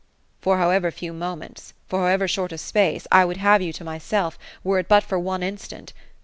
" For however few moments, — for however short a space ; I would have you to myself, were it but for one instant.